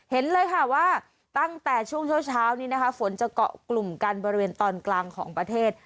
เห็นเลยค่ะว่าตั้งแต่ช่วงเช้านี้นะคะฝนจะเกาะกลุ่มกันบริเวณตอนกลางของประเทศ